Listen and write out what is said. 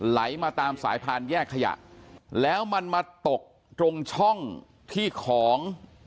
ไหลมาตามสายพานแยกขยะแล้วมันมาตกตรงช่องที่ของ